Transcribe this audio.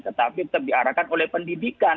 tetapi diarahkan oleh pendidikan